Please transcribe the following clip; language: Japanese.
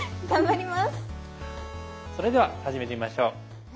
それでは始めてみましょう。